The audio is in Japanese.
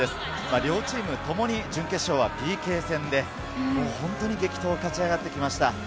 両チームともに準決勝はＰＫ戦で本当に激闘を勝ち上がってきました。